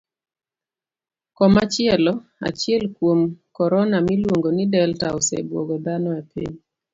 Koma chielo, achiel kuom korona miluong'o ni delta, osebuogo dhano e piny.